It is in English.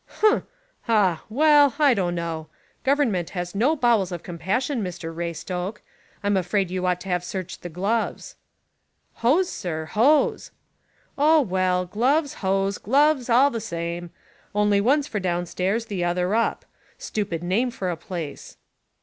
"Humph! Ha! Well, I don't know: Government has no bowels of compassion, Mr Raystoke. I'm afraid you ought to have searched the Gloves." "Hoze, sir, Hoze." "Oh well, gloves, hose, gloves, all the same; only one's for downstairs, the other up. Stupid name for a place."